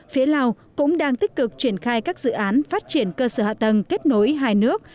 phía lào cũng đang tích cực triển khai các dự án phát triển cơ sở hạ tầng kết nối hai nước